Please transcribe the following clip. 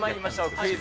クイズ！